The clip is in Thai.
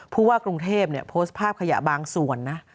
ผู้ว่ากรุงเทพโพสต์ภาพขยะบางส่วนนะ